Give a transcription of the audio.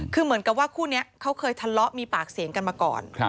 คือเหมือนกับว่าคู่นี้เขาเคยทะเลาะมีปากเสียงกันมาก่อน